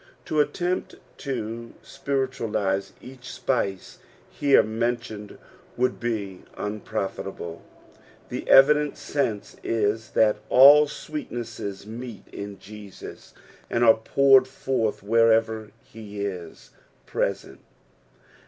To attempt to spiritualise each spice here mentioned would be unprofltable, the evident sense is that all sweetnesses meet in Jesus, and aie poured forth wherever he is present.